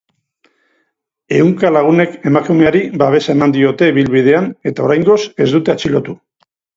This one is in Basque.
Ehunka lagunek emakumeari babesa eman diote ibilbidean eta oraingoz ez dute atxilotu.